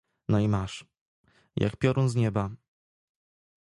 No i masz — jak piorun z nieba.